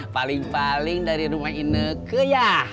paling paling dari rumah ine ke ya